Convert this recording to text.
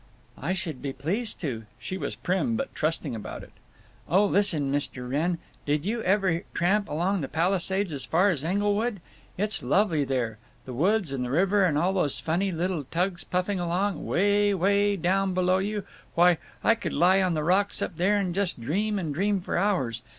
"I should be pleased to." She was prim but trusting about it. "Oh, listen, Mr. Wrenn; did you ever tramp along the Palisades as far as Englewood? It's lovely there—the woods and the river and all those funny little tugs puffing along, way way down below you—why, I could lie on the rocks up there and just dream and dream for hours.